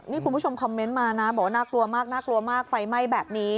นี่คุณผู้ชมคอมเมนต์มานะบอกว่าน่ากลัวมากน่ากลัวมากไฟไหม้แบบนี้